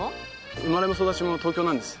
生まれも育ちも東京なんです。